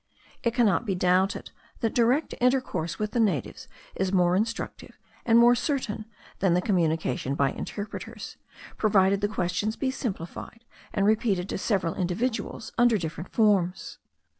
It cannot be doubted that direct intercourse with the natives is more instructive and more certain than the communication by interpreters, provided the questions be simplified, and repeated to several individuals under different forms.